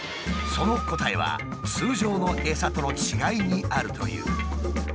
その答えは通常のエサとの違いにあるという。